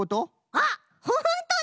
あっほんとだ！